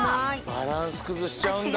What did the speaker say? バランスくずしちゃうんだ。